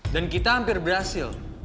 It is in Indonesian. dan kita hampir berhasil